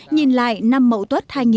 nhìn lại năm mẫu tuất tháng